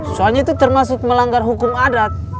soalnya itu termasuk melanggar hukum adat